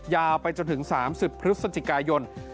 ยาวไปจนถึง๓๐พฤศจิกายน